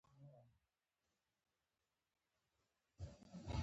هراتی اس ځل کې معلوم وي.